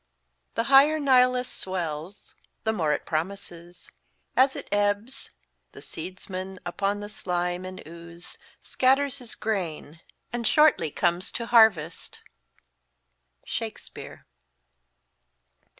"The higher Nilus swells The more it promises : as it ebbs, the seedsman Upon the slime and ooze scatters his grain And shortly comes to harvest." SHAKSPJglKE.